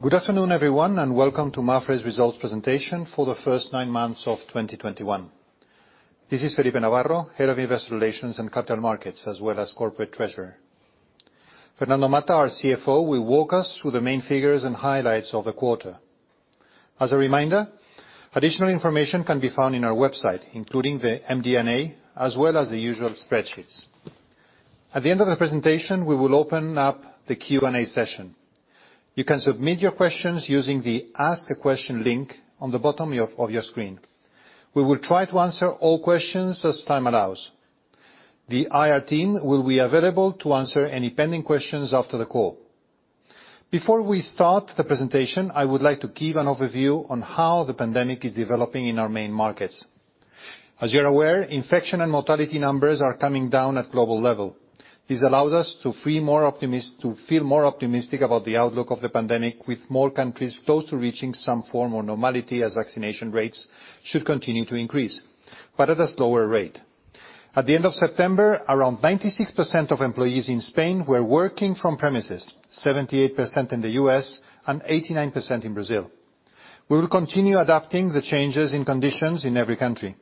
Good afternoon, everyone, and welcome to Mapfre's results presentation for the first nine months of 2021. This is Felipe Navarro, head of investor relations and capital markets, as well as corporate treasurer. Fernando Mata, our CFO, will walk us through the main figures and highlights of the quarter. As a reminder, additional information can be found on our website, including the MD&A as well as the usual spreadsheets. At the end of the presentation, we will open up the Q&A session. You can submit your questions using the Ask a Question link on the bottom of your screen. We will try to answer all questions as time allows. The IR team will be available to answer any pending questions after the call. Before we start the presentation, I would like to give an overview on how the pandemic is developing in our main markets. As you're aware, infection and mortality numbers are coming down at global level. This allowed us to feel more optimistic about the outlook of the pandemic, with more countries close to reaching some form of normality as vaccination rates should continue to increase, but at a slower rate. At the end of September, around 96% of employees in Spain were working from premises, 78% in the U.S., and 89% in Brazil. We will continue adapting the changes in conditions in every country.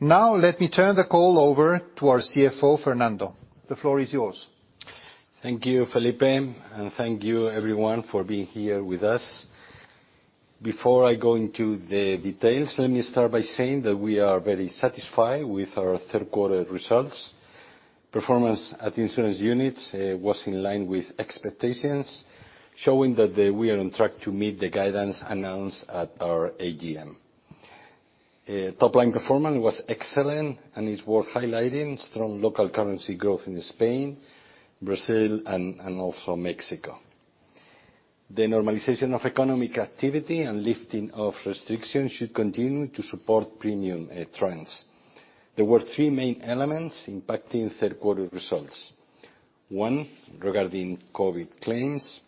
Now, let me turn the call over to our CFO, Fernando. The floor is yours. Thank you, Felipe, and thank you everyone for being here with us. Before I go into the details, let me start by saying that we are very satisfied with our third quarter results. Performance at the insurance units was in line with expectations, showing that we are on track to meet the guidance announced at our AGM. Top line performance was excellent and is worth highlighting strong local currency growth in Spain, Brazil and also Mexico. The normalization of economic activity and lifting of restrictions should continue to support premium trends. There were three main elements impacting third quarter results. One, regarding COVID claims.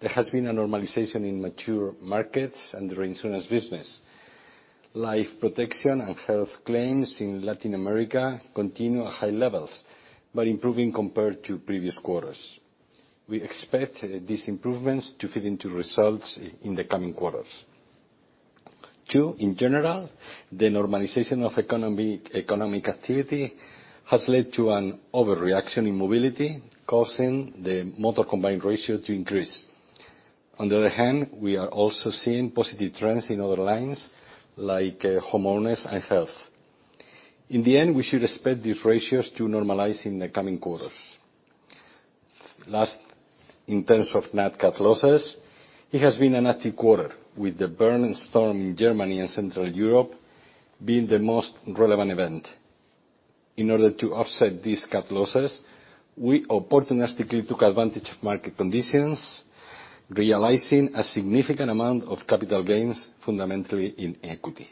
There has been a normalization in mature markets and reinsurance business. Life protection and health claims in Latin America continue at high levels, but improving compared to previous quarters. We expect these improvements to feed into results in the coming quarters. Two, in general, the normalization of economy, economic activity has led to an overreaction in mobility, causing the motor combined ratio to increase. On the other hand, we are also seeing positive trends in other lines, like homeowners and health. In the end, we should expect these ratios to normalize in the coming quarters. Last, in terms of nat cat losses, it has been an active quarter, with the Storm Bernd in Germany and Central Europe being the most relevant event. In order to offset these cat losses, we opportunistically took advantage of market conditions, realizing a significant amount of capital gains, fundamentally in equity.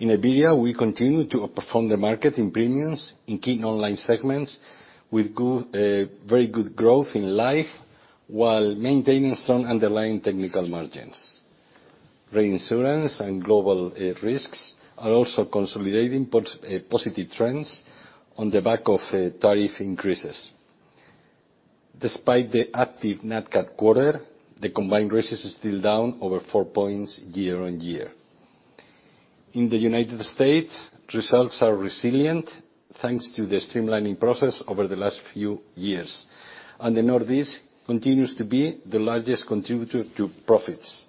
In Iberia, we continue to outperform the market in premiums in key non-life segments with good, very good growth in life, while maintaining strong underlying technical margins. Reinsurance and global risks are also consolidating positive trends on the back of tariff increases. Despite the active nat cat quarter, the combined ratio is still down over four points year-on-year. In the United States, results are resilient thanks to the streamlining process over the last few years, and the Northeast continues to be the largest contributor to profits.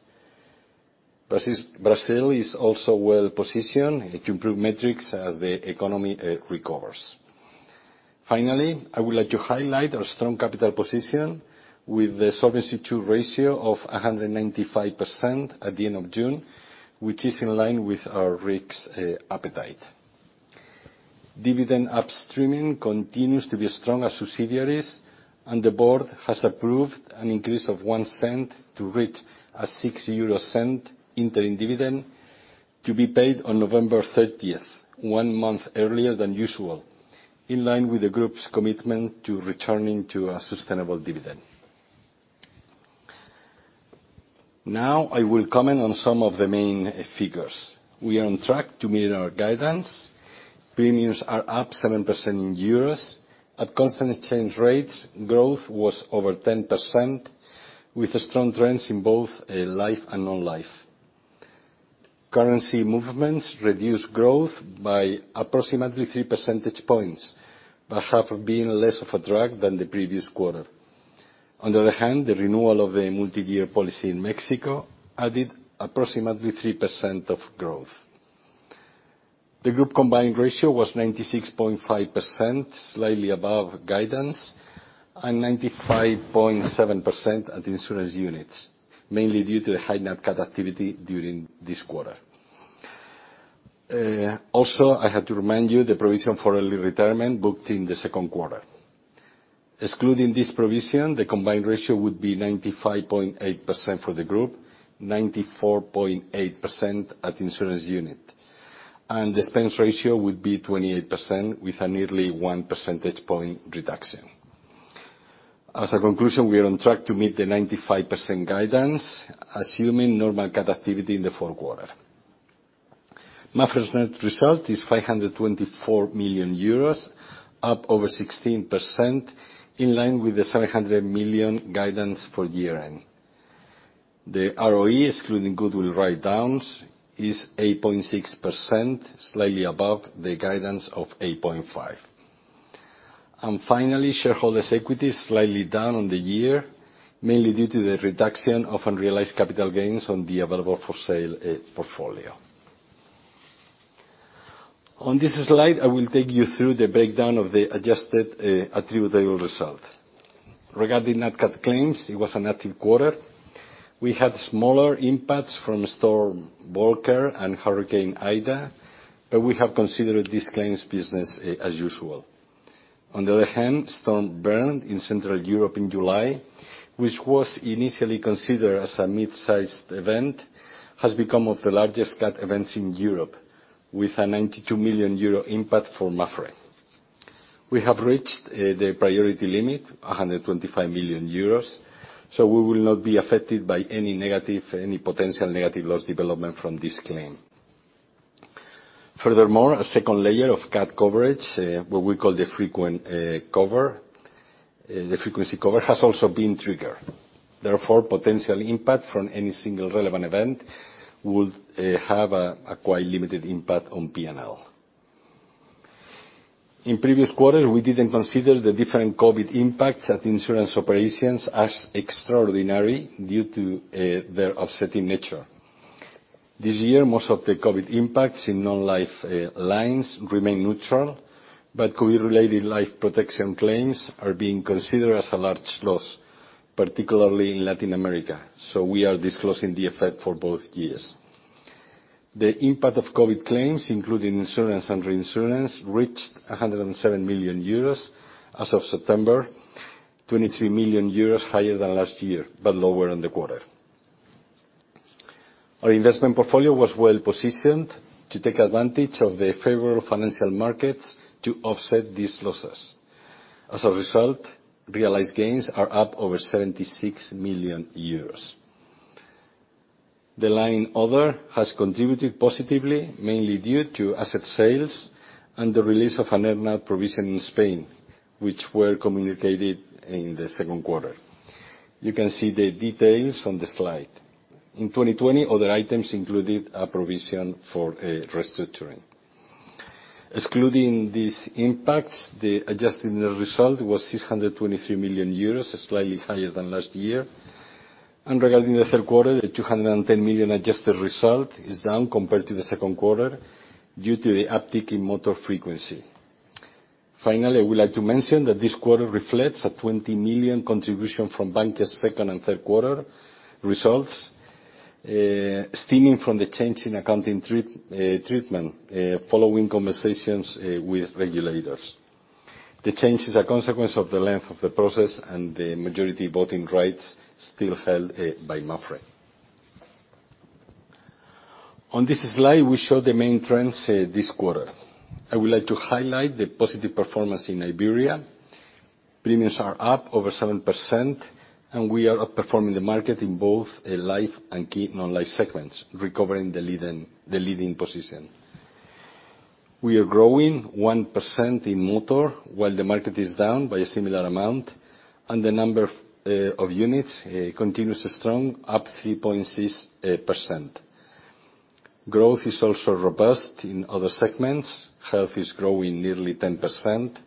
Brazil is also well-positioned to improve metrics as the economy recovers. Finally, I would like to highlight our strong capital position with the Solvency II ratio of 195% at the end of June, which is in line with our risk appetite. Dividend upstreaming continues to be strong as subsidiaries, and the board has approved an increase of 0.01 to reach a 0.06 interim dividend to be paid on November 30th, one month earlier than usual, in line with the group's commitment to returning to a sustainable dividend. Now I will comment on some of the main figures. We are on track to meet our guidance. Premiums are up 7% in euros. At constant exchange rates, growth was over 10% with strong trends in both life and non-life. Currency movements reduced growth by approximately 3 percentage points, but have been less of a drag than the previous quarter. On the other hand, the renewal of a multi-year policy in Mexico added approximately 3% of growth. The group combined ratio was 96.5%, slightly above guidance, and 95.7% at the insurance units, mainly due to the high nat cat activity during this quarter. Also, I have to remind you the provision for early retirement booked in the second quarter. Excluding this provision, the combined ratio would be 95.8% for the group, 94.8% at insurance unit, and the expense ratio would be 28% with a nearly one percentage point reduction. As a conclusion, we are on track to meet the 95% guidance, assuming normal cat activity in the fourth quarter. Mapfre's net result is 524 million euros, up over 16%, in line with the 700 million guidance for year-end. The ROE excluding goodwill write-downs is 8.6%, slightly above the guidance of 8.5%. Finally, shareholders equity is slightly down on the year, mainly due to the reduction of unrealized capital gains on the available-for-sale portfolio. On this slide, I will take you through the breakdown of the adjusted attributable result. Regarding net CAT claims, it was an active quarter. We had smaller impacts from Storm Bernd and Hurricane Ida, but we have considered this claims business as usual. On the other hand, Storm Bernd in Central Europe in July, which was initially considered as a mid-sized event, has become one of the largest CAT events in Europe, with a 92 million euro impact for Mapfre. We have reached the priority limit, 125 million euros, so we will not be affected by any potential negative loss development from this claim. Furthermore, a second layer of CAT coverage, what we call the frequency cover, has also been triggered. Therefore, potential impact from any single relevant event would have a quite limited impact on P&L. In previous quarters, we didn't consider the different COVID impacts at insurance operations as extraordinary due to their offsetting nature. This year, most of the COVID impacts in non-life lines remain neutral, but COVID-related life protection claims are being considered as a large loss, particularly in Latin America, so we are disclosing the effect for both years. The impact of COVID claims, including insurance and reinsurance, reached 107 million euros as of September, 23 million euros higher than last year, but lower in the quarter. Our investment portfolio was well-positioned to take advantage of the favorable financial markets to offset these losses. As a result, realized gains are up over 76 million euros. The line other has contributed positively, mainly due to asset sales and the release of an earn-out provision in Spain, which were communicated in the second quarter. You can see the details on the slide. In 2020, other items included a provision for a restructuring. Excluding these impacts, the adjusted net result was 623 million euros, slightly higher than last year. Regarding the third quarter, the 210 million adjusted result is down compared to the second quarter due to the uptick in motor frequency. Finally, I would like to mention that this quarter reflects a 20 million contribution from Bankia's second and third quarter results, stemming from the change in accounting treatment following conversations with regulators. The change is a consequence of the length of the process and the majority voting rights still held by Mapfre. On this slide, we show the main trends this quarter. I would like to highlight the positive performance in Iberia. Premiums are up over 7%, and we are outperforming the market in both life and key non-life segments, recovering the leading position. We are growing 1% in motor, while the market is down by a similar amount, and the number of units continues strong, up 3.6%. Growth is also robust in other segments. Health is growing nearly 10%,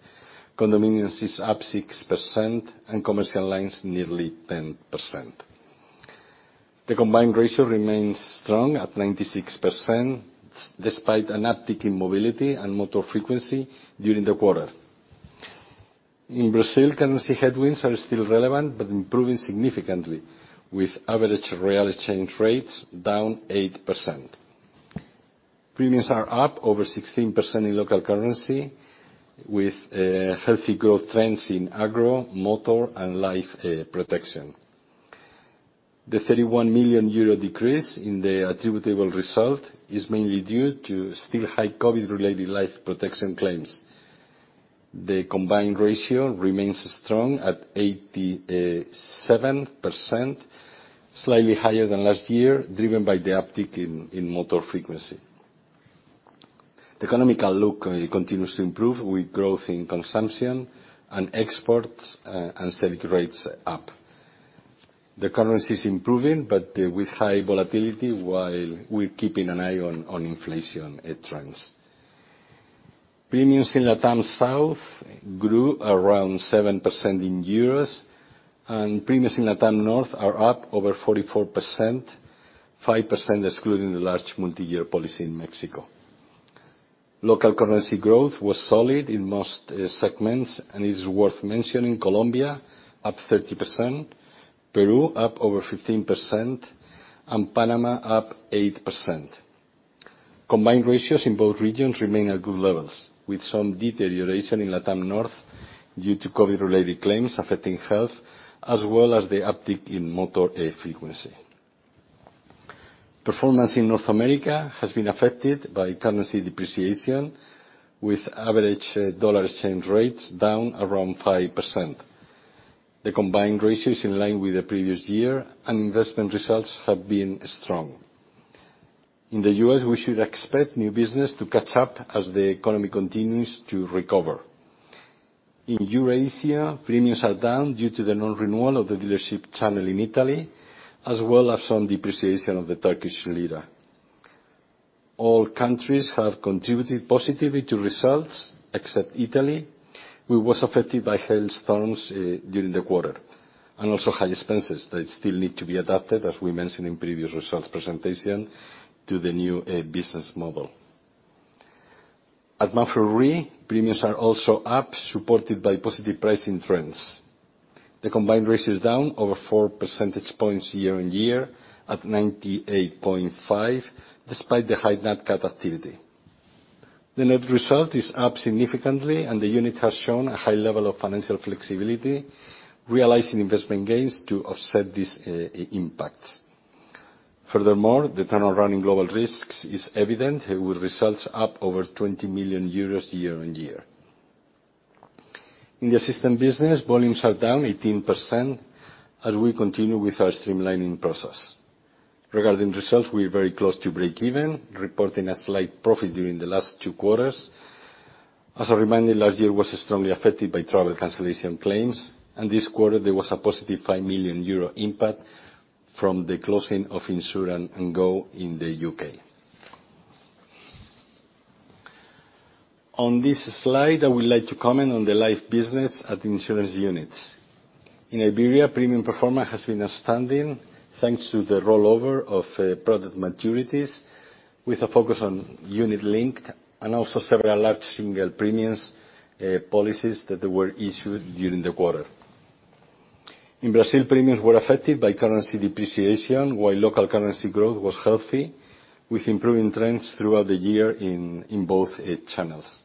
condominiums is up 6%, and commercial lines nearly 10%. The combined ratio remains strong at 96% despite an uptick in mobility and motor frequency during the quarter. In Brazil, currency headwinds are still relevant, but improving significantly, with average real exchange rates down 8%. Premiums are up over 16% in local currency with healthy growth trends in agro, motor, and life protection. The 31 million euro decrease in the attributable result is mainly due to still high COVID-related life protection claims. The combined ratio remains strong at 87%, slightly higher than last year, driven by the uptick in motor frequency. The economic outlook continues to improve with growth in consumption and exports, and selling rates up. The currency is improving, but with high volatility while we're keeping an eye on inflation trends. Premiums in LATAM South grew around 7% in euros, and premiums in LATAM North are up over 44%, 5% excluding the large multi-year policy in Mexico. Local currency growth was solid in most segments, and it is worth mentioning Colombia up 30%, Peru up over 15%, and Panama up 8%. Combined ratios in both regions remain at good levels, with some deterioration in LATAM North due to COVID-related claims affecting health, as well as the uptick in motor frequency. Performance in North America has been affected by currency depreciation, with average dollar exchange rates down around 5%. The combined ratio is in line with the previous year, and investment results have been strong. In the U.S., we should expect new business to catch up as the economy continues to recover. In Eurasia, premiums are down due to the non-renewal of the dealership channel in Italy, as well as some depreciation of the Turkish lira. All countries have contributed positively to results, except Italy, which was affected by hailstorms during the quarter, and also high expenses that still need to be adapted, as we mentioned in previous results presentation, to the new business model. At Mapfre RE, premiums are also up, supported by positive pricing trends. The combined ratio is down over 4 percentage points year-on-year at 98.5, despite the high net cat activity. The net result is up significantly, and the unit has shown a high level of financial flexibility, realizing investment gains to offset this impact. Furthermore, the turnaround in global risks is evident, with results up over 20 million euros year-on-year. In the assistance business, volumes are down 18% as we continue with our streamlining process. Regarding results, we're very close to breakeven, reporting a slight profit during the last two quarters. As a reminder, last year was strongly affected by travel cancellation claims, and this quarter there was a positive 5 million euro impact from the closing of InsureandGo in the U.K. On this slide, I would like to comment on the life business at the insurance units. In Iberia, premium performance has been outstanding thanks to the rollover of product maturities, with a focus on unit-linked and also several large single premiums, policies that they were issued during the quarter. In Brazil, premiums were affected by currency depreciation, while local currency growth was healthy, with improving trends throughout the year in both channels.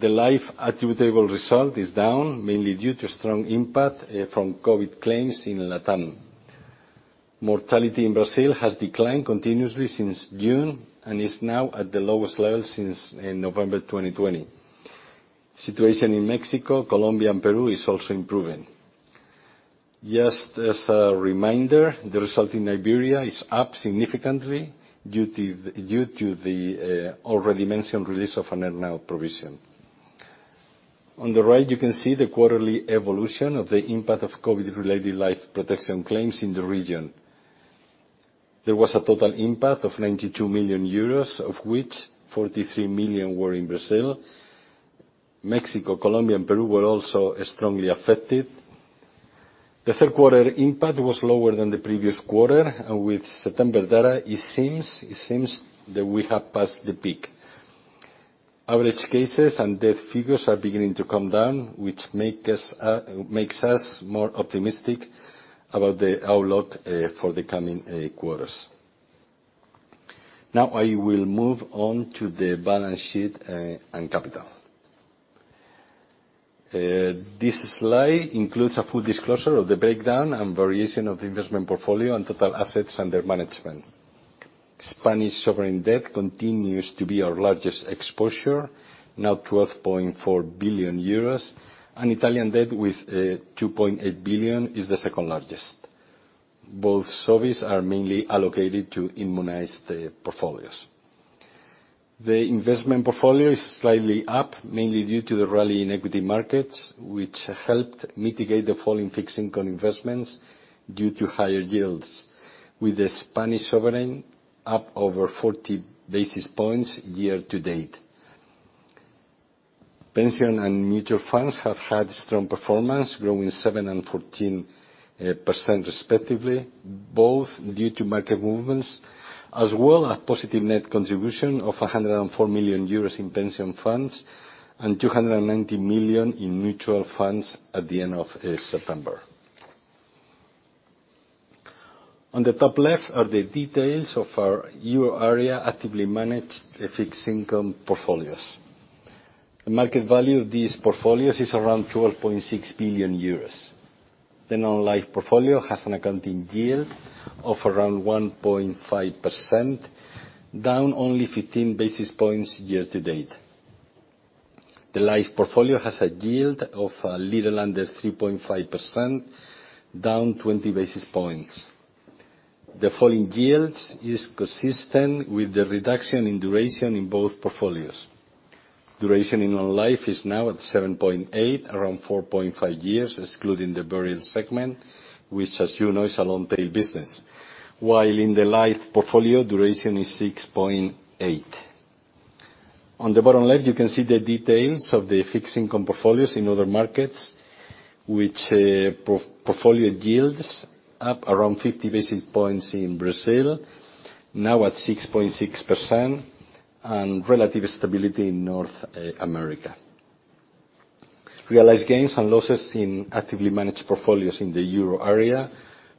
The life attributable result is down mainly due to strong impact from COVID claims in LATAM. Mortality in Brazil has declined continuously since June and is now at the lowest level since November 2020. Situation in Mexico, Colombia, and Peru is also improving. Just as a reminder, the result in Iberia is up significantly due to the already mentioned release of an earn-out provision. On the right, you can see the quarterly evolution of the impact of COVID-related life protection claims in the region. There was a total impact of 92 million euros, of which 43 million were in Brazil. Mexico, Colombia, and Peru were also strongly affected. The third quarter impact was lower than the previous quarter, and with September data, it seems that we have passed the peak. Average cases and death figures are beginning to come down, which makes us more optimistic about the outlook for the coming quarters. Now I will move on to the balance sheet and capital. This slide includes a full disclosure of the breakdown and variation of the investment portfolio and total assets under management. Spanish sovereign debt continues to be our largest exposure, now 12.4 billion euros, and Italian debt with 2.8 billion is the second largest. Both securities are mainly allocated to immunize the portfolios. The investment portfolio is slightly up, mainly due to the rally in equity markets, which helped mitigate the fall in fixed income investments due to higher yields, with the Spanish sovereign up over 40 basis points year-to-date. Pension and mutual funds have had strong performance, growing 7% and 14% respectively, both due to market movements as well as positive net contribution of 104 million euros in pension funds and 290 million in mutual funds at the end of September. On the top left are the details of our euro area actively managed fixed income portfolios. The market value of these portfolios is around 12.6 billion euros. The non-life portfolio has an accounting yield of around 1.5%, down only 15 basis points year-to-date. The life portfolio has a yield of a little under 3.5%, down 20 basis points. The fall in yields is consistent with the reduction in duration in both portfolios. Duration in non-life is now at 7.8, around 4.5 years, excluding the variance segment, which, as you know, is a long tail business. While in the life portfolio, duration is 6.8. On the bottom left, you can see the details of the fixed income portfolios in other markets, which, portfolio yields up around 50 basis points in Brazil, now at 6.6%, and relative stability in North America. Realized gains and losses in actively managed portfolios in the euro area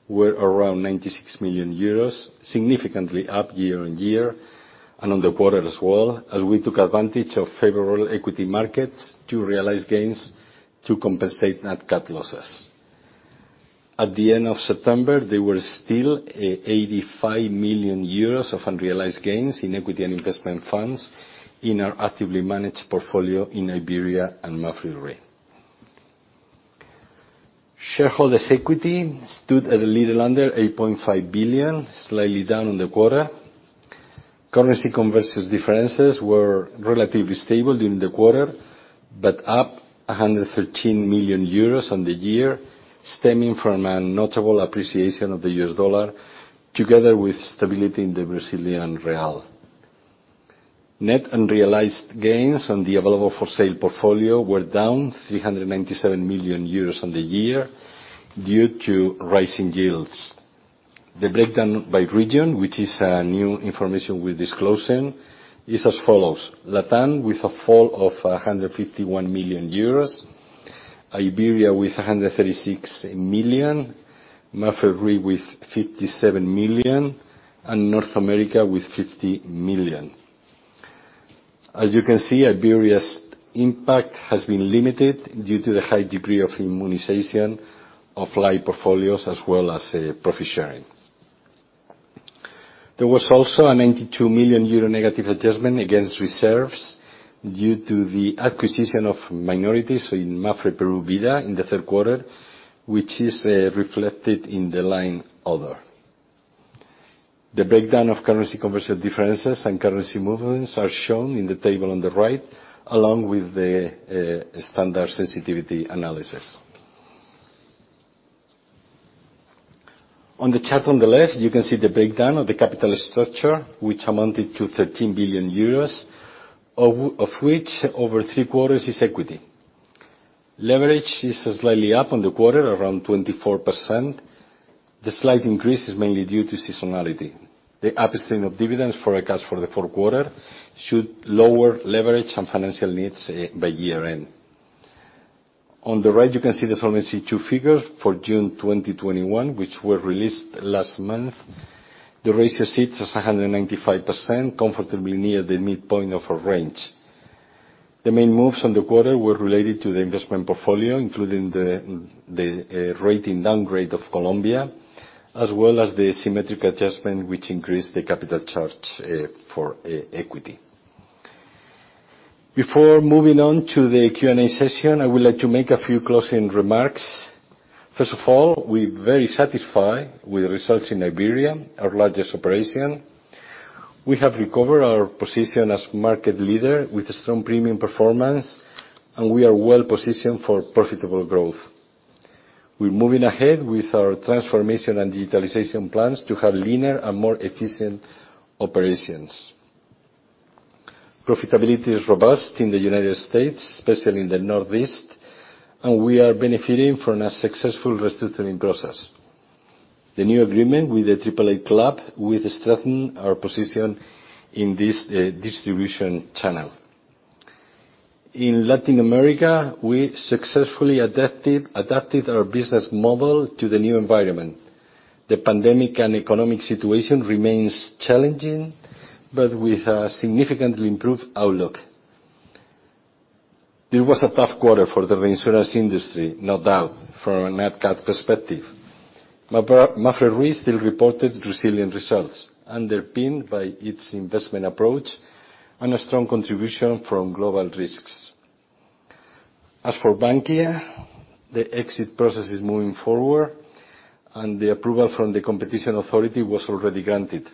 were around 96 million euros, significantly up year-on-year and on the quarter as well, as we took advantage of favorable equity markets to realize gains to compensate net capital losses. At the end of September, there were still 85 million euros of unrealized gains in equity and investment funds in our actively managed portfolio in Iberia and Mapfre RE. Shareholders' equity stood at a little under 8.5 billion, slightly down on the quarter. Currency conversion differences were relatively stable during the quarter, but up 113 million euros on the year, stemming from a notable appreciation of the US dollar together with stability in the Brazilian real. Net unrealized gains on the available-for-sale portfolio were down 397 million euros on the year due to rising yields. The breakdown by region, which is new information we're disclosing, is as follows: LATAM with a fall of 151 million euros, Iberia with 136 million, Mapfre with 57 million, and North America with 50 million. As you can see, Iberia's impact has been limited due to the high degree of immunization of life portfolios as well as profit sharing. There was also a 92 million euro negative adjustment against reserves due to the acquisition of minorities in Mapfre Perú Vida in the third quarter, which is reflected in the line Other. The breakdown of currency conversion differences and currency movements are shown in the table on the right, along with the standard sensitivity analysis. On the chart on the left, you can see the breakdown of the capital structure, which amounted to 13 billion euros, of which over three-quarters is equity. Leverage is slightly up on the quarter, around 24%. The slight increase is mainly due to seasonality. The absence of dividends and cash for the fourth quarter should lower leverage and financial needs by year-end. On the right, you can see the Solvency II figures for June 2021, which were released last month. The ratio sits at 195%, comfortably near the midpoint of our range. The main moves on the quarter were related to the investment portfolio, including the rating downgrade of Colombia, as well as the symmetric adjustment which increased the capital charge for equity. Before moving on to the Q&A session, I would like to make a few closing remarks. First of all, we're very satisfied with the results in Iberia, our largest operation. We have recovered our position as market leader with strong premium performance, and we are well-positioned for profitable growth. We're moving ahead with our transformation and digitalization plans to have leaner and more efficient operations. Profitability is robust in the United States, especially in the Northeast, and we are benefiting from a successful restructuring process. The new agreement with the AAA Club will strengthen our position in this distribution channel. In Latin America, we successfully adapted our business model to the new environment. The pandemic and economic situation remains challenging, but with a significantly improved outlook. This was a tough quarter for the reinsurance industry, no doubt, from a nat cat perspective. Mapfre still reported resilient results, underpinned by its investment approach and a strong contribution from global risks. As for Bankia, the exit process is moving forward, and the approval from the competition authority was already granted.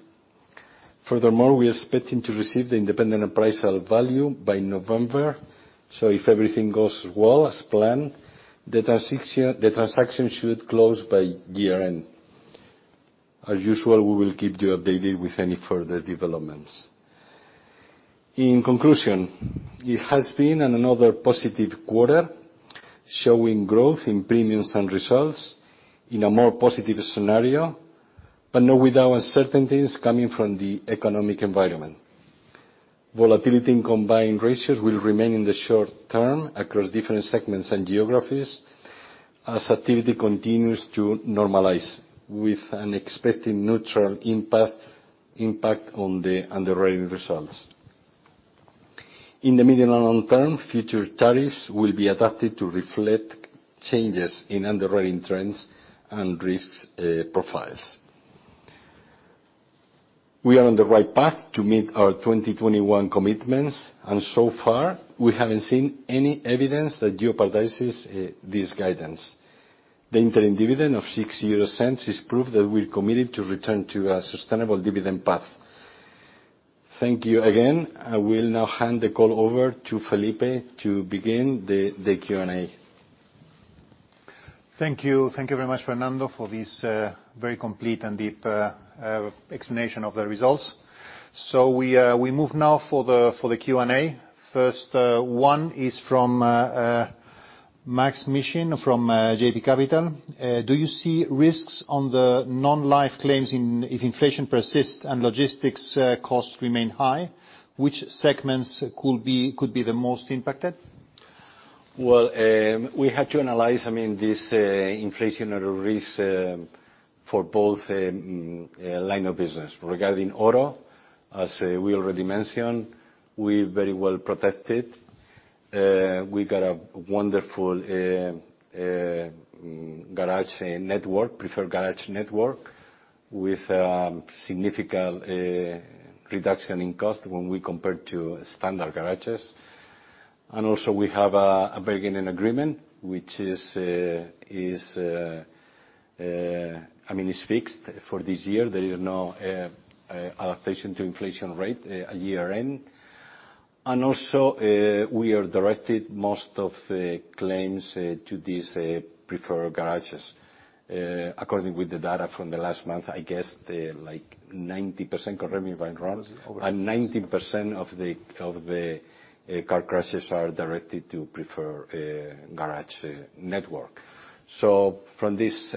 Furthermore, we are expecting to receive the independent appraisal value by November, so if everything goes well as planned, the transaction should close by year-end. As usual, we will keep you updated with any further developments. In conclusion, it has been another positive quarter, showing growth in premiums and results in a more positive scenario, but not without uncertainties coming from the economic environment. Volatility in combined ratios will remain in the short term across different segments and geographies as activity continues to normalize, with an expected neutral impact on the underwriting results. In the medium and long term, future tariffs will be adapted to reflect changes in underwriting trends and risks, profiles. We are on the right path to meet our 2021 commitments, and so far, we haven't seen any evidence that jeopardizes this guidance. The interim dividend of 0.06 is proof that we're committed to return to a sustainable dividend path. Thank you again. I will now hand the call over to Felipe to begin the Q&A. Thank you. Thank you very much, Fernando, for this very complete and deep explanation of the results. We move now to the Q&A. First one is from Maksym Mishyn from JB Capital. Do you see risks on the non-life claims if inflation persists and logistics costs remain high, which segments could be the most impacted? Well, we had to analyze, I mean, this inflationary risk for both line of business. Regarding auto, as we already mentioned, we're very well protected. We got a wonderful garage network, preferred garage network with significant reduction in cost when we compare to standard garages. Also we have a bargaining agreement, which is fixed for this year. There is no adaptation to inflation rate year end. Also we have directed most of the claims to these preferred garages. According to the data from the last month, I guess they're like 90%, correct me if I'm wrong. Over 90% of the car crashes are directed to preferred garage network. From this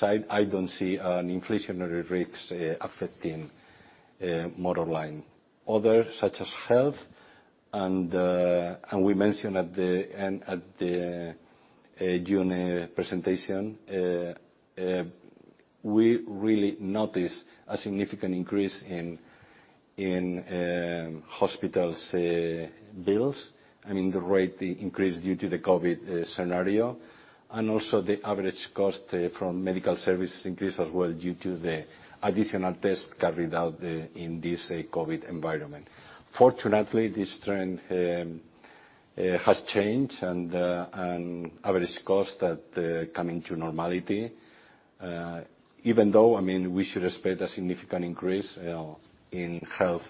side, I don't see any inflationary risks affecting motor line. Others, such as health and we mentioned at the end, at the June presentation, we really noticed a significant increase in hospital bills. I mean, the rate increased due to the COVID scenario. Also the average cost from medical services increased as well due to the additional tests carried out in this COVID environment. Fortunately, this trend has changed and average costs start coming to normality. Even though, I mean, we should expect a significant increase in health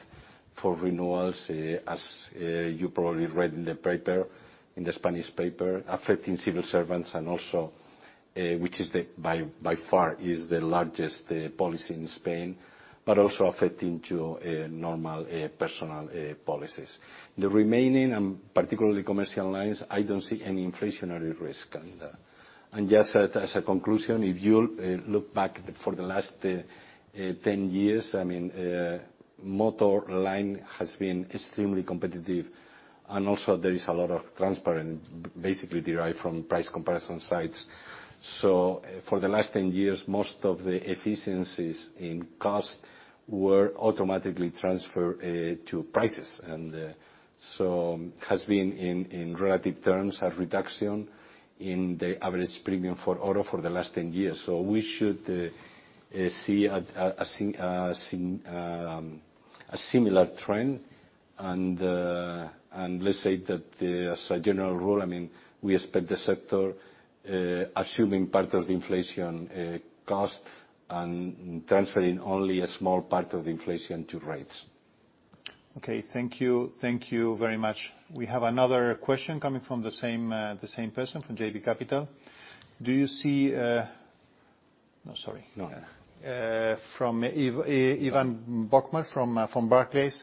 for renewals as you probably read in the paper, in the Spanish paper, affecting civil servants and also which is by far the largest policy in Spain, but also affecting too normal personal policies. The remaining, and particularly commercial lines, I don't see any inflationary risk on that. Just as a conclusion, if you'll look back for the last 10 years, I mean, motor line has been extremely competitive and also there is a lot of transparency basically derived from price comparison sites. For the last 10 years, most of the efficiencies in cost were automatically transferred to prices. There has been in relative terms a reduction in the average premium for auto for the last 10 years. We should see a similar trend. Let's say that, as a general rule, I mean, we expect the sector, assuming part of the inflation cost and transferring only a small part of inflation to rates. Okay. Thank you. Thank you very much. We have another question coming from the same person, from JB Capital. No, sorry. From Ivan Bokhmat from Barclays.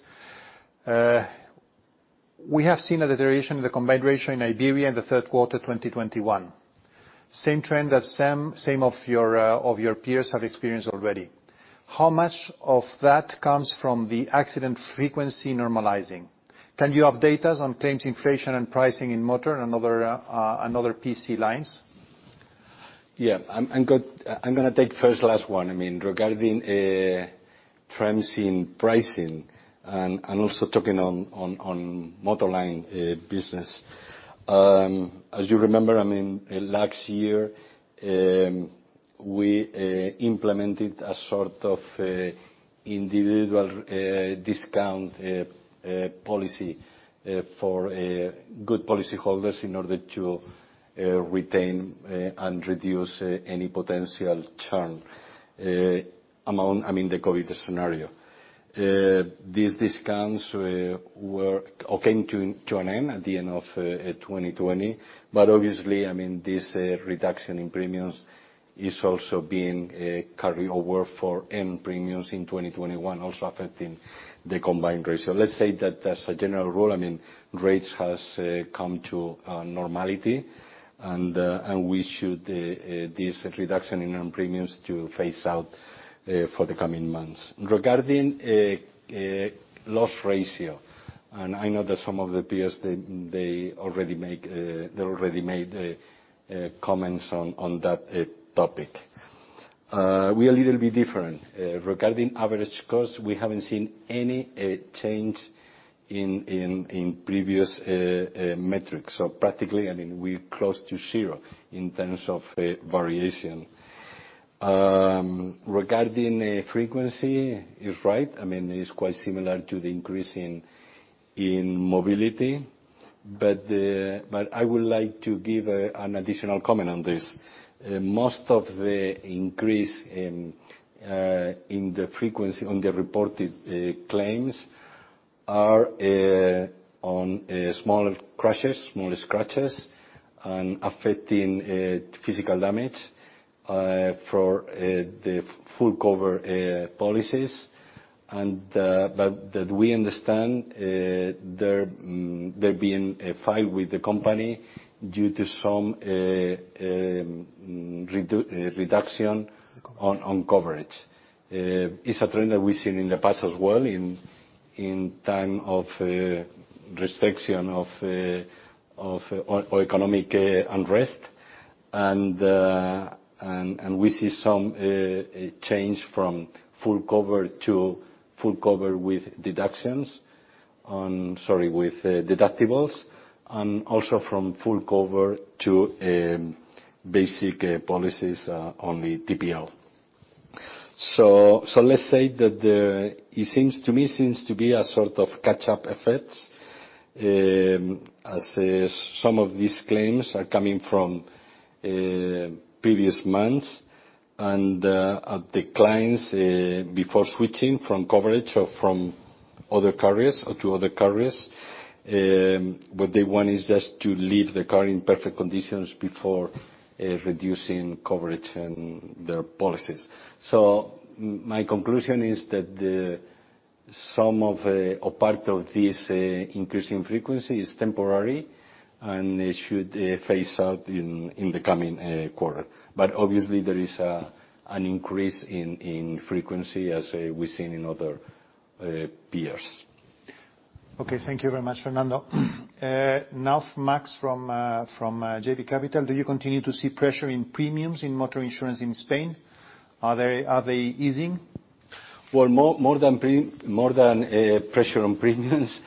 We have seen a deterioration in the combined ratio in Iberia in the third quarter 2021. Same trend as some of your peers have experienced already. How much of that comes from the accident frequency normalizing? Can you update us on claims inflation and pricing in motor and other PC lines? Yeah. I'm gonna take the first and last one. I mean, regarding trends in pricing and also talking on motor line business. As you remember, I mean, last year, we implemented a sort of a individual discount policy for good policy holders in order to retain and reduce any potential churn among, I mean, the COVID scenario. These discounts came to an end at the end of 2020. Obviously, I mean, this reduction in premiums is also being carried over for new premiums in 2021, also affecting the combined ratio. Let's say that as a general rule, I mean, rates has come to normality and we should this reduction in net premiums to phase out for the coming months. Regarding loss ratio, I know that some of the peers they already made comments on that topic. We are a little bit different. Regarding average cost, we haven't seen any change in previous metrics. Practically, I mean, we're close to zero in terms of variation. Regarding frequency, you're right. I mean, it's quite similar to the increase in mobility. I would like to give an additional comment on this. Most of the increase in the frequency of the reported claims are on small crashes, small scratches, and affecting physical damage for the full cover policies. But we understand that they're being filed with the company due to some reduction on coverage It's a trend that we've seen in the past as well in time of restriction or economic unrest. We see some change from full cover to full cover with deductions on. Sorry, with deductibles. Also from full cover to basic policies on the TPL. Let's say that it seems to me to be a sort of catch-up effect. As some of these claims are coming from previous months. The clients before switching from coverage or from other carriers or to other carriers, what they want is just to leave the car in perfect conditions before reducing coverage in their policies. My conclusion is that some of or part of this increase in frequency is temporary, and it should phase out in the coming quarter. Obviously, there is an increase in frequency as we've seen in other peers. Okay. Thank you very much, Fernando. Now for Max from JB Capital. Do you continue to see pressure in premiums in motor insurance in Spain? Are they easing? Well, more than pressure on premiums,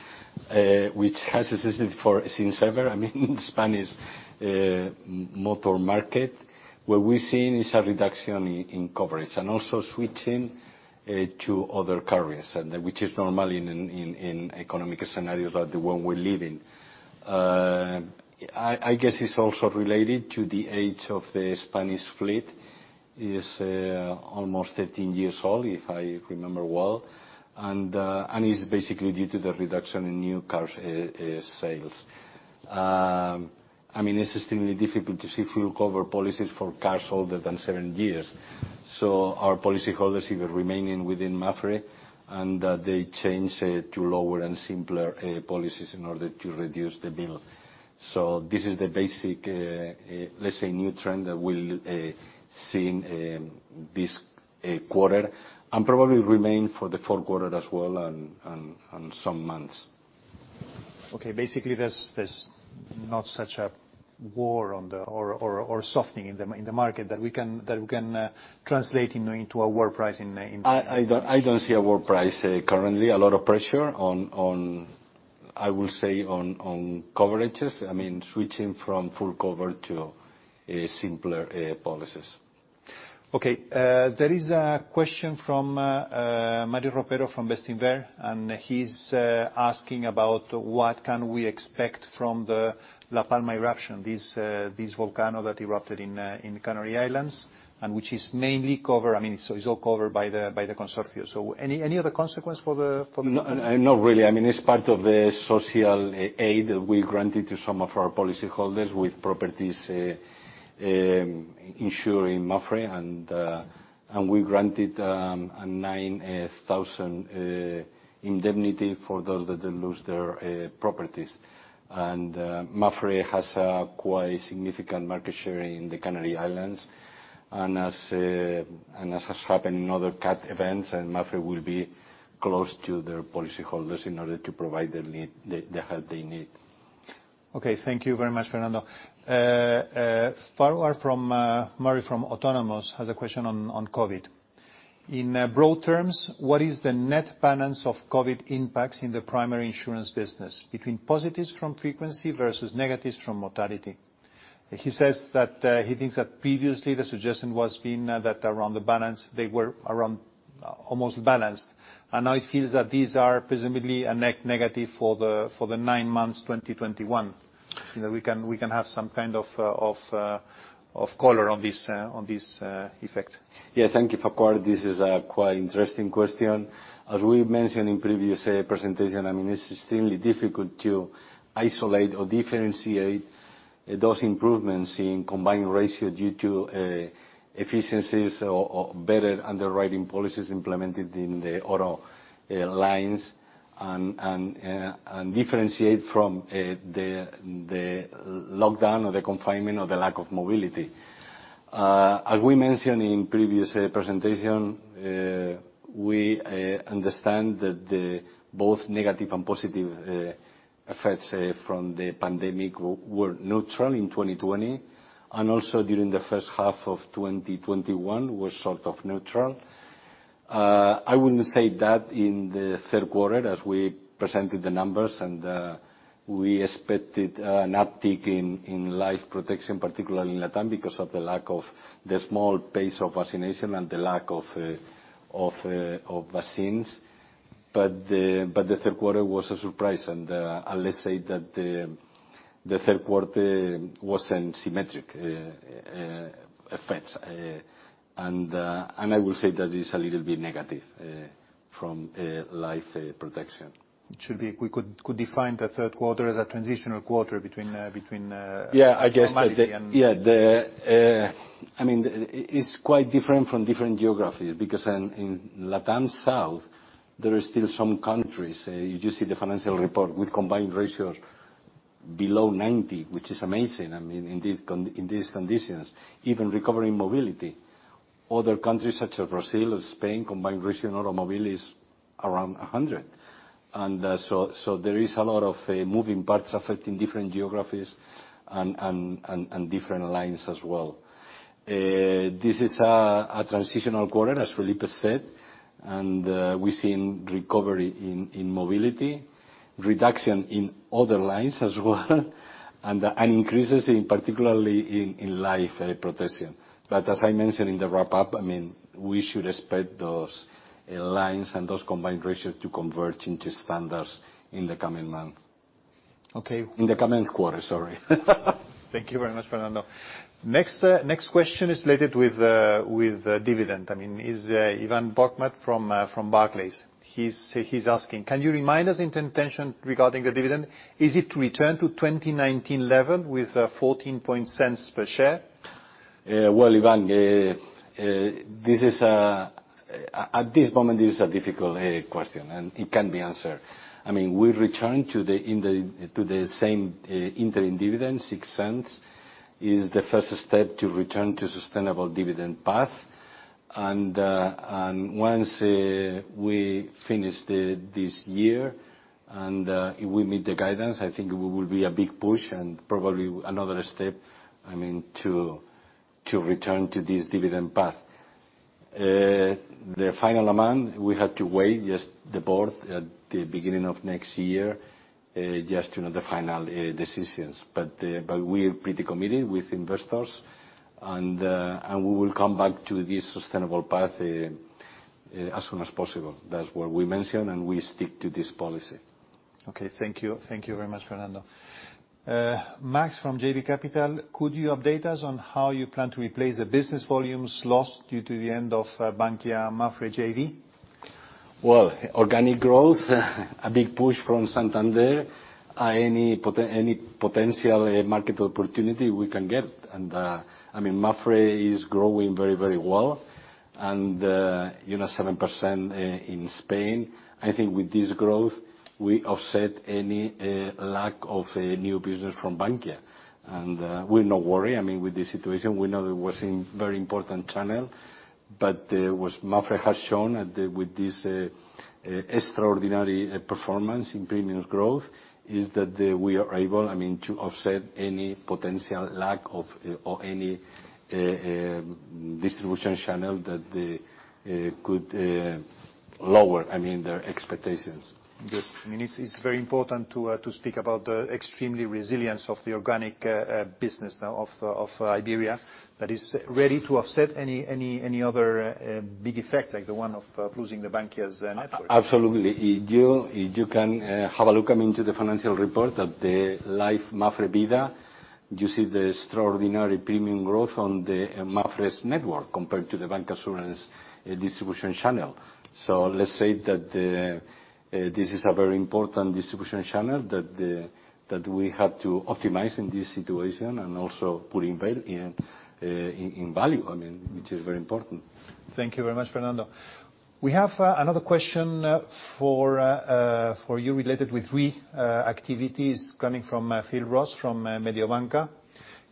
which has existed since ever, I mean, in Spanish motor market. What we're seeing is a reduction in coverage, and also switching to other carriers. Which is normal in economic scenarios like the one we're living. I guess it's also related to the age of the Spanish fleet. It's almost 13 years old, if I remember well. It's basically due to the reduction in new car sales. I mean, it's extremely difficult to sell policies for cars older than seven years. Our policyholders either remaining within Mapfre, and they change it to lower and simpler policies in order to reduce the bill. This is the basic, let's say, new trend that we'll see in this quarter, and probably remain for the fourth quarter as well and some months. Okay. Basically, there's not such a war or softening in the market that we can translate into lower pricing. I don't see an upside currently. A lot of pressure on, I will say, coverages. I mean, switching from full cover to simpler policies. Okay. There is a question from Marta Oria from Bestinver, and he's asking about what can we expect from the La Palma eruption, this volcano that erupted in the Canary Islands, and which is mainly covered by the Consorcio. I mean, so it's all covered by the Consorcio. Any other consequence for the- No, not really. I mean, it's part of the social aid we granted to some of our policyholders with properties insured in Mapfre. We granted a 9,000 indemnity for those that they lose their properties. Mapfre has a quite significant market share in the Canary Islands. As has happened in other cat events, Mapfre will be close to their policyholders in order to provide the help they need. Okay. Thank you very much, Fernando. Farquhar Murray from Autonomous has a question on COVID. In broad terms, what is the net balance of COVID impacts in the primary insurance business between positives from frequency versus negatives from mortality? He says that he thinks that previously the suggestion has been that around the balance, they were around almost balanced. Now he feels that these are presumably a net negative for the nine months 2021. You know, we can have some kind of color on this effect. Yeah. Thank you, Farquhar Murray. This is a quite interesting question. As we mentioned in previous presentation, I mean, it's extremely difficult to isolate or differentiate those improvements in combined ratio due to efficiencies or better underwriting policies implemented in the auto lines and differentiate from the lockdown or the confinement or the lack of mobility. As we mentioned in previous presentation, we understand that the both negative and positive effects from the pandemic were neutral in 2020, and also during the first half of 2021 was sort of neutral. I wouldn't say that in the third quarter as we presented the numbers, and we expected an uptick in life protection, particularly in LATAM because of the lack of the slow pace of vaccination and the lack of vaccines. The third quarter was a surprise. Let's say that the third quarter wasn't asymmetric effects. I will say that it's a little bit negative from life protection. We could define the third quarter as a transitional quarter between- Yeah, I guess that the- mortality and- I mean, it's quite different from different geographies because in LATAM South, there are still some countries you just see the financial report with combined ratios below 90, which is amazing, I mean, in these conditions, even recovering mobility. Other countries such as Brazil and Spain, combined ratio automobile is around 100. So there is a lot of moving parts affecting different geographies and different lines as well. This is a transitional quarter, as Felipe said, and we've seen recovery in mobility, reduction in other lines as well, and increases in, particularly in life protection. As I mentioned in the wrap-up, I mean, we should expect those lines and those combined ratios to converge into standards in the coming month. Okay. In the coming quarter, sorry. Thank you very much, Fernando. Next question is related with the dividend. I mean, it's Ivan Bokhmat from Barclays. He's asking, can you remind us intention regarding the dividend? Is it to return to 2019 level with 0.14 per share? Well, Ivan, this is at this moment a difficult question, and it can't be answered. I mean, we return to the same interim dividend, 0.06, is the first step to return to sustainable dividend path. Once we finish this year and if we meet the guidance, I think we will be a big push and probably another step. I mean, to return to this dividend path. The final amount, we have to wait just the Board at the beginning of next year just to know the final decisions. But we're pretty committed with investors, and we will come back to this sustainable path as soon as possible. That's what we mentioned, and we stick to this policy. Okay, thank you. Thank you very much, Fernando. Max from JB Capital, could you update us on how you plan to replace the business volumes lost due to the end of Bankia Mapfre JV? Well, organic growth, a big push from Santander. Any potential market opportunity we can get. I mean, Mapfre is growing very, very well. You know, 7% in Spain. I think with this growth, we offset any lack of a new business from Bankia. We're not worried, I mean, with the situation. We know it was a very important channel. What Mapfre has shown with this extraordinary performance in premiums growth is that we are able, I mean, to offset any potential lack of or any distribution channel that could lower, I mean, their expectations. Good. I mean, it's very important to speak about the extremely resilience of the organic business now of Iberia that is ready to offset any other big effect like the one of losing the Bankia's network. Absolutely. If you can have a look, I mean, to the financial report of the life Mapfre vida, you see the extraordinary premium growth on the Mapfre's network compared to the Bankia insurance distribution channel. This is a very important distribution channel that we have to optimize in this situation and also putting value in value, I mean, which is very important. Thank you very much, Fernando. We have another question for you related with reinsurance activities coming from Philip Ross from Mediobanca.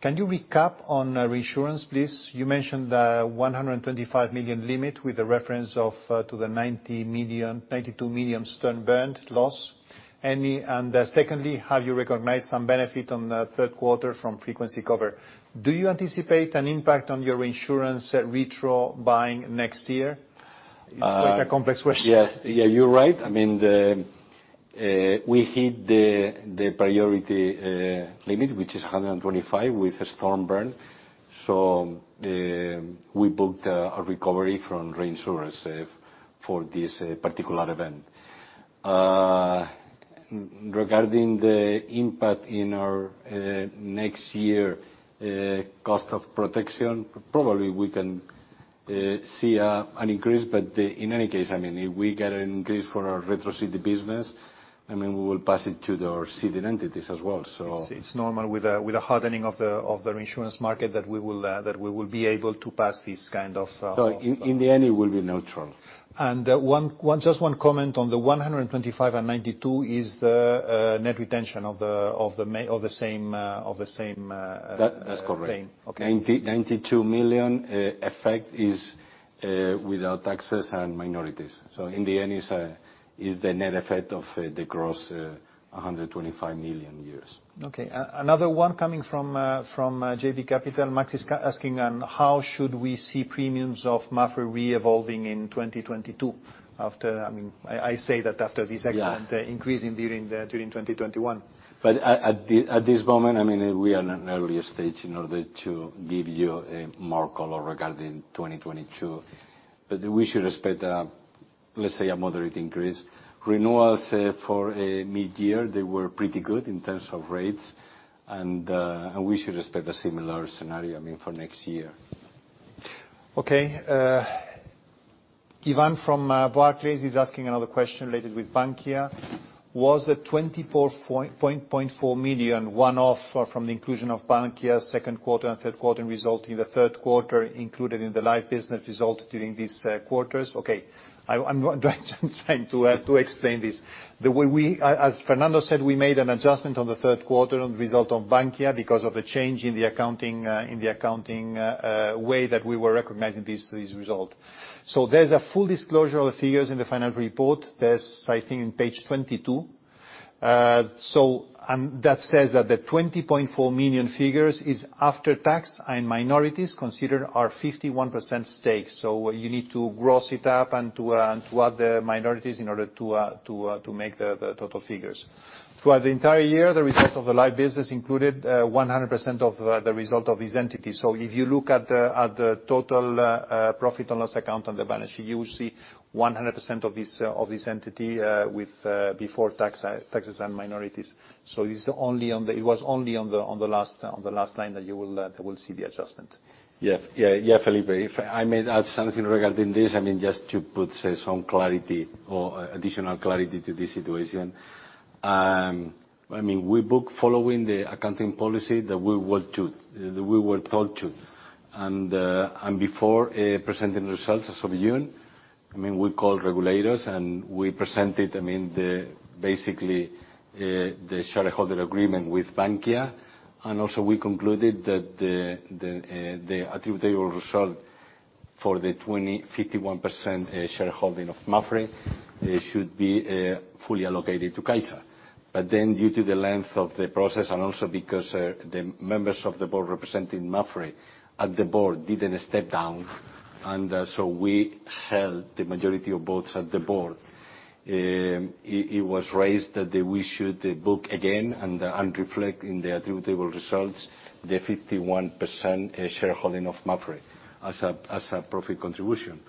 Can you recap on reinsurance, please? You mentioned the 125 million limit with a reference to the 90 million, 92 million Storm Bernd loss. Secondly, have you recognized some benefit on the third quarter from frequency cover? Do you anticipate an impact on your insurance retro buying next year? It's quite a complex question. Yeah. Yeah, you're right. I mean, we hit the priority limit, which is 125 with Storm Bernd. We booked a recovery from reinsurers for this particular event. Regarding the impact in our next year cost of protection, probably we can see an increase. In any case, I mean, if we get an increase for our retro ceded business, I mean, we will pass it to the ceded entities as well, so. It's normal with the hardening of the reinsurance market that we will be able to pass this kind of- In the end, it will be neutral. One comment on the 125 and 92 is the net retention of the same thing. That, that's correct. Okay. 92 million net effect is without taxes and minorities. In the end, it's the net effect of the gross 125 million euros. Okay. Another one coming from JB Capital. Max is asking on how should we see premiums of Mapfre RE evolving in 2022 after. I mean, I say that after this excellent- Yeah... increasing during 2021. At this moment, I mean, we are in an earlier stage in order to give you more color regarding 2022. We should expect, let's say, a moderate increase. Renewals for mid-year, they were pretty good in terms of rates. We should expect a similar scenario, I mean, for next year. Okay. Ivan Bokhmat from Barclays is asking another question related with Bankia. Was the 24.4 million one-off from the inclusion of Bankia second quarter and third quarter result in the third quarter included in the life business result during these quarters? Okay, I'm trying to explain this. The way we- as Fernando Mata said, we made an adjustment on the third quarter on the result of Bankia because of a change in the accounting way that we were recognizing this result. There's a full disclosure of the figures in the financial report. That's, I think, in Page 22. That says that the 20.4 million figure is after tax and minorities considering our 51% stake. You need to gross it up and to add the minorities in order to make the total figures. Throughout the entire year, the result of the life business included 100% of the result of these entities. If you look at the total profit and loss account on the balance sheet, you will see 100% of this entity before tax, taxes and minorities. It was only on the last line that you will see the adjustment. Yeah, Felipe. If I may add something regarding this, I mean, just to put, say, some clarity or additional clarity to this situation. I mean, we book following the accounting policy that we were told to. Before presenting results as of June, I mean, we called regulators, and we presented, I mean, basically, the shareholder agreement with Bankia. Also we concluded that the attributable result for the 51% shareholding of Mapfre, it should be fully allocated to Caixa. Due to the length of the process and also because the members of the board representing Mapfre at the board didn't step down, we held the majority of votes at the board. It was raised that we should book again and reflect in the attributable results the 51% shareholding of Mapfre as a profit contribution.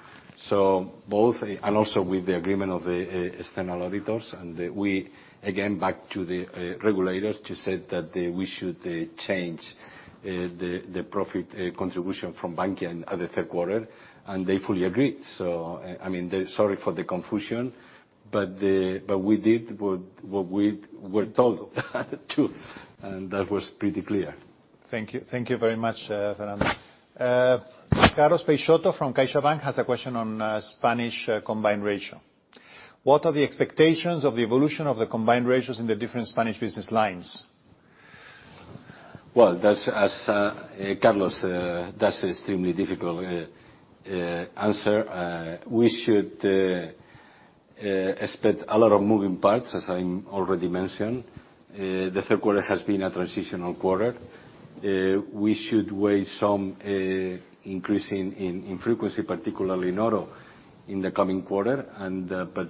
Also with the agreement of the external auditors, we went back to the regulators to say that we should change the profit contribution from Bankia in the third quarter, and they fully agreed. I mean, sorry for the confusion, but we did what we were told to, and that was pretty clear. Thank you. Thank you very much, Fernando. Carlos Peixoto from CaixaBank has a question on Spanish combined ratio. What are the expectations of the evolution of the combined ratios in the different Spanish business lines? Well, Carlos, that's extremely difficult answer. We should expect a lot of moving parts, as I already mentioned. The third quarter has been a transitional quarter. We should weigh some increase in frequency, particularly in auto, in the coming quarter.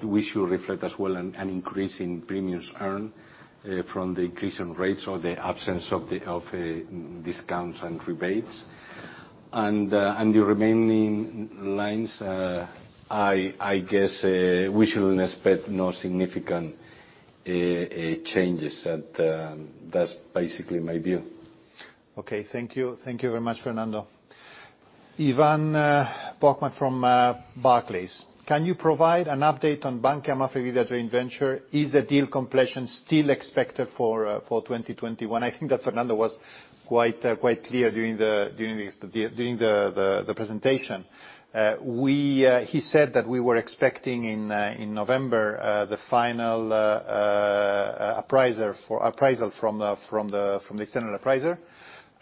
We should reflect as well an increase in premiums earned from the increase in rates or the absence of the discounts and rebates. The remaining lines, I guess, we shouldn't expect no significant changes. That's basically my view. Okay, thank you. Thank you very much, Fernando. Ivan Bokhmat from Barclays. Can you provide an update on Bankia Mapfre Vida joint venture? Is the deal completion still expected for 2021? I think that Fernando was quite clear during the presentation. He said that we were expecting in November the final appraisal from the external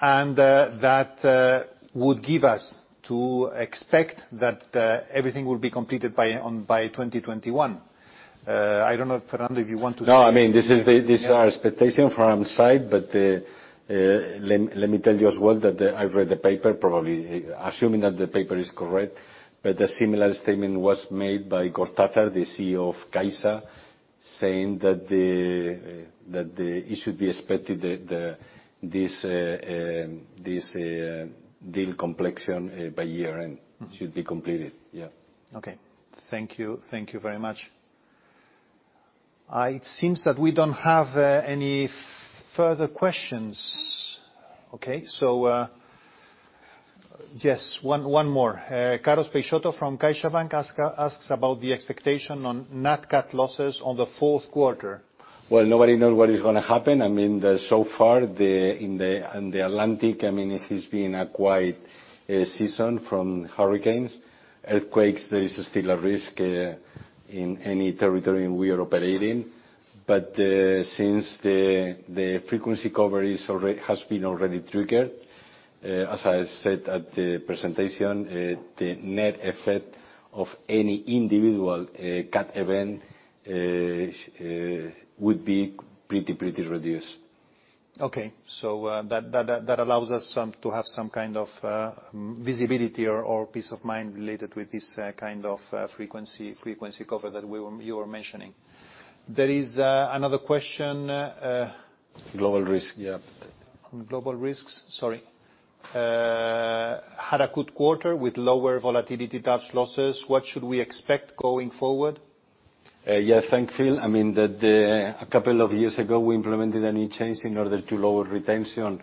appraiser. That would give us to expect that everything will be completed by 2021. I don't know if, Fernando, you want to say anything else. No, I mean, this is our expectation from our side. Let me tell you as well that I've read the paper, probably assuming that the paper is correct. A similar statement was made by Gonzalo Gortázar, the CEO of CaixaBank, saying that it should be expected, this deal completion by year-end should be completed. Yeah. Okay. Thank you. Thank you very much. It seems that we don't have any further questions. Okay. So, yes, one more. Carlos Peixoto from CaixaBank asks about the expectation on net CAT losses on the fourth quarter. Well, nobody knows what is gonna happen. I mean, so far, in the Atlantic, I mean, it has been a quiet season for hurricanes. Earthquakes, there is still a risk in any territory we are operating. Since the frequency cover has already been triggered, as I said at the presentation, the net effect of any individual CAT event would be pretty reduced. Okay. That allows us to have some kind of visibility or peace of mind related with this kind of frequency cover that you were mentioning. There is another question. Global risk. Yeah. On global risks, sorry. Had a good quarter with lower volatility tails losses. What should we expect going forward? Thank you. I mean, a couple of years ago, we implemented a new change in order to lower retention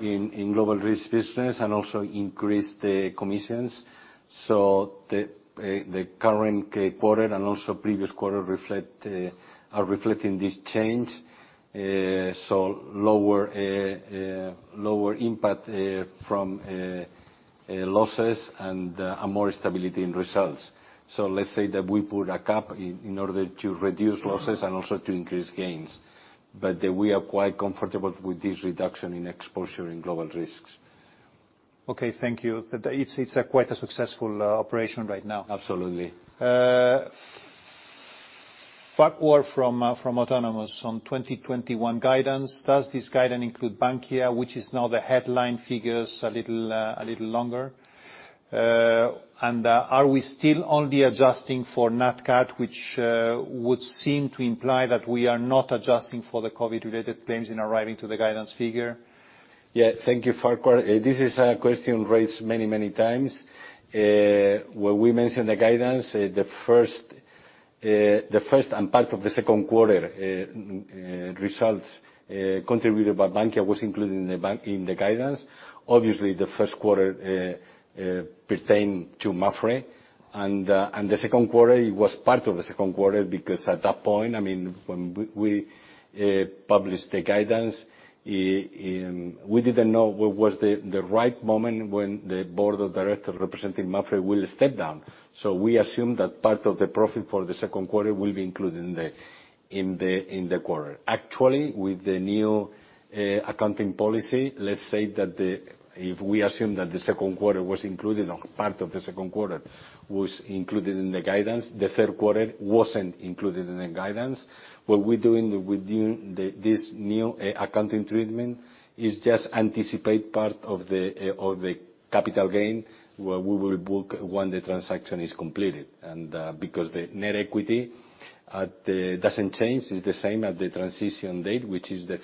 in global risk business, and also increase the commissions. The current quarter and also previous quarter are reflecting this change. Lower impact from losses and more stability in results. Let's say that we put a cap in order to reduce losses and also to increase gains. We are quite comfortable with this reduction in exposure in global risks. Okay, thank you. It's quite a successful operation right now. Absolutely. Farquhar from Autonomous on 2021 guidance, does this guidance include Bankia, which is now the headline figures a little longer? Are we still only adjusting for nat cat, which would seem to imply that we are not adjusting for the COVID-related claims in arriving to the guidance figure? Yeah, thank you, Farquhar. This is a question raised many times. When we mention the guidance, the first and part of the second quarter results contributed by Bankia was included in the guidance. Obviously, the first quarter pertained to Mapfre. The second quarter, it was part of the second quarter, because at that point, I mean, when we published the guidance, we didn't know what was the right moment when the board of directors representing Mapfre will step down. We assumed that part of the profit for the second quarter will be included in the quarter. Actually, with the new accounting policy, let's say that the- If we assume that the second quarter was included or part of the second quarter was included in the guidance, the third quarter wasn't included in the guidance. What we're doing with this new accounting treatment is just anticipate part of the capital gain where we will book when the transaction is completed because the net equity doesn't change. It's the same as the transition date, which is the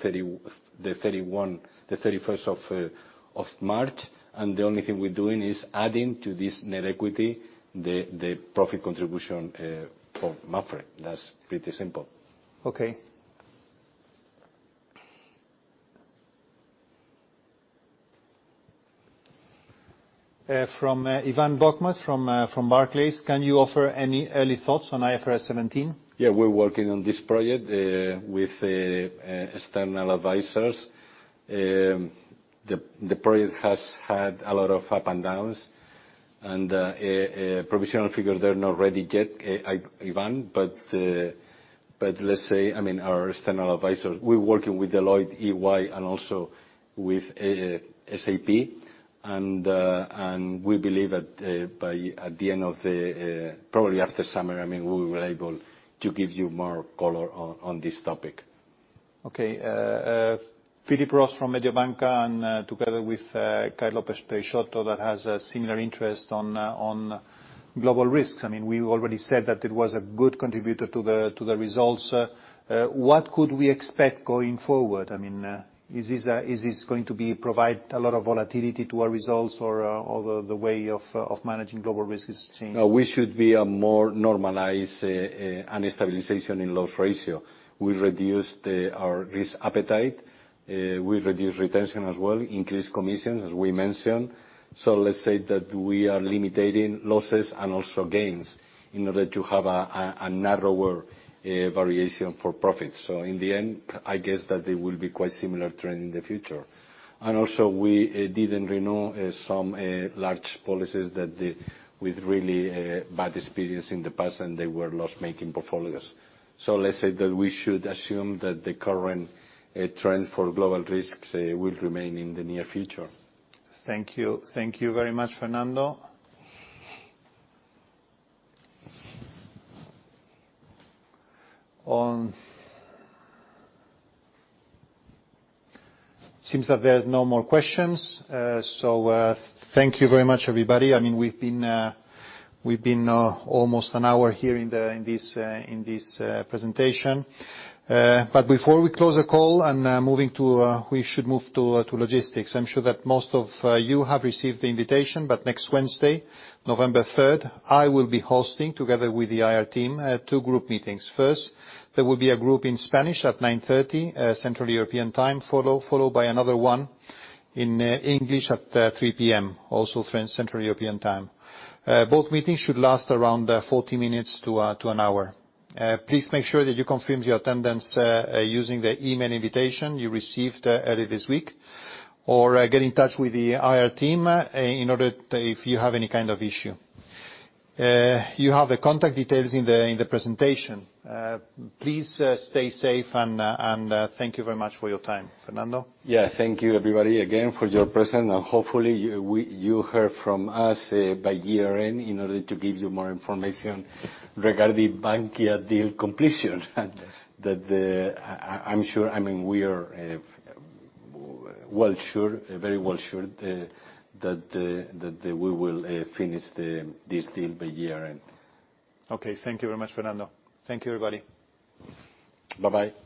31st of March. The only thing we're doing is adding to this net equity, the profit contribution from Mapfre. That's pretty simple. Okay. From Ivan Bokhmat from Barclays, can you offer any early thoughts on IFRS 17? Yeah. We're working on this project with external advisors. The project has had a lot of ups and downs. Provisional figures, they're not ready yet, Ivan. Let's say, I mean, our external advisors, we're working with Deloitte, EY, and also with SAP. We believe that probably after summer, I mean, we will be able to give you more color on this topic. Okay. Philip Ross from Mediobanca and together with, Carlos Peixoto that has a similar interest on global risks. I mean, we already said that it was a good contributor to the results. What could we expect going forward? I mean, is this going to be provide a lot of volatility to our results or the way of managing global risks has changed? No, we should be a more normalized and stabilization in loss ratio. We reduced our risk appetite. We reduced retention as well, increased commissions, as we mentioned. Let's say that we are limiting losses and also gains in order to have a narrower variation for profits. In the end, I guess that they will be quite similar trend in the future. Also, we didn't renew some large policies with really bad experience in the past, and they were loss-making portfolios. Let's say that we should assume that the current trend for global risks will remain in the near future. Thank you. Thank you very much, Fernando. Seems that there's no more questions. Thank you very much, everybody. I mean, we've been almost an hour here in this presentation. Before we close the call, we should move to logistics. I'm sure that most of you have received the invitation, but next Wednesday, November 3rd, I will be hosting together with the IR team two group meetings. First, there will be a group in Spanish at 9:30 A.M. Central European Time, followed by another one in English at 3:00 P.M., also Central European Time. Both meetings should last around 40 minutes to an hour. Please make sure that you confirm your attendance using the email invitation you received early this week, or get in touch with the IR team if you have any kind of issue. You have the contact details in the presentation. Please stay safe and thank you very much for your time. Fernando? Yeah. Thank you, everybody, again, for your presence. Hopefully, you hear from us by year-end in order to give you more information regarding Bankia deal completion. Yes. I'm sure, I mean, we are very sure that we will finish this deal by year-end. Okay. Thank you very much, Fernando. Thank you, everybody. Bye-bye.